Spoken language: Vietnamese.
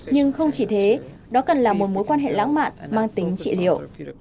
nhưng không chỉ thế đó cần là một mối quan hệ lãng mạn mang tính trị điệu